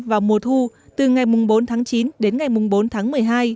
vào mùa thu từ ngày bốn tháng chín đến ngày bốn tháng một mươi hai